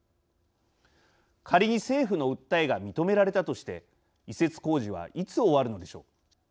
仮に政府の訴えが認められたとして移設工事はいつ終わるのでしょう。